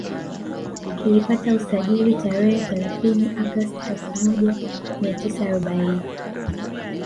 Kilipata usajili tarehe thealathini Agosti elfu moja mia tisa arobaini